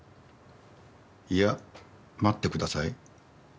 いや待ってください。